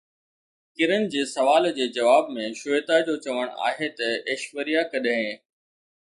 ڪرن جي سوال جي جواب ۾ شويتا جو چوڻ آهي ته ايشوريا ڪڏهن